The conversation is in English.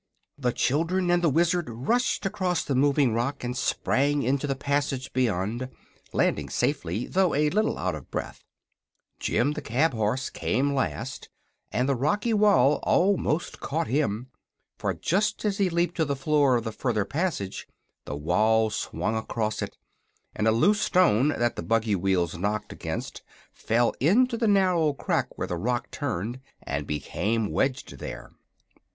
The children and the Wizard rushed across the moving rock and sprang into the passage beyond, landing safely though a little out of breath. Jim the cab horse came last, and the rocky wall almost caught him; for just as he leaped to the floor of the further passage the wall swung across it and a loose stone that the buggy wheels knocked against fell into the narrow crack where the rock turned, and became wedged there.